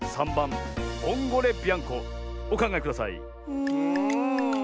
うん。